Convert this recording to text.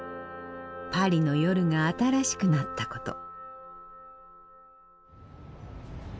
パリの夜が新しくなったこと。